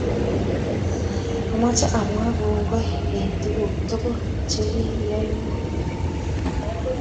amache amwaa kongoi eng tuguk tugul chegiyoywoo